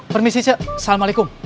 permisi ce assalamualaikum